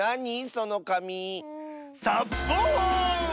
そのかみ。サッボーン！